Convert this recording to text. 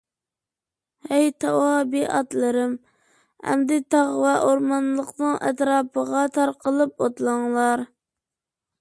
ھەي تاۋابىئاتلىرىم! ئەمدى تاغ ۋە ئورمانلىقنىڭ ئەتراپىغا تارقىلىپ ئوتلاڭلار.